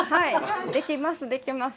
できますできます。